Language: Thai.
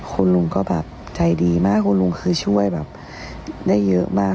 คุณลุงก็แบบใจดีมากคุณลุงคือช่วยแบบได้เยอะมาก